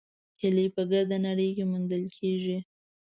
هیلۍ په ګرده نړۍ کې موندل کېږي